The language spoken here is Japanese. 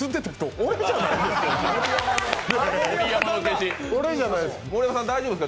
俺じゃないんですか？